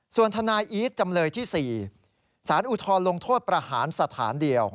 ส่วนทนายอีทจำเลยที่๔สารอุทธรณ์ลงโทษประหารสถานเดียว